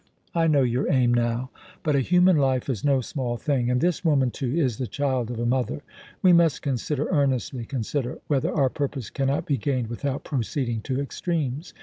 I know your aim now. But a human life is no small thing, and this woman, too, is the child of a mother. We must consider, earnestly consider, whether our purpose cannot be gained without proceeding to extremes.